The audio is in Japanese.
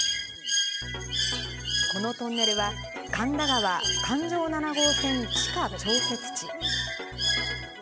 このトンネルは、神田川・環状七号線地下調節池。